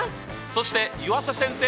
そして湯浅先生。